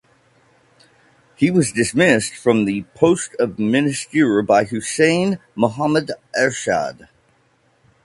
He was dismissed from the post of Minister by Hussain Mohammad Ershad.